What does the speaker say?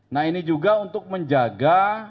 nah ini juga untuk menjaga